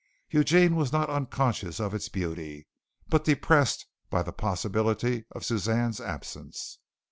Eugene was not unconscious of its beauty, but depressed by the possibility of Suzanne's absence.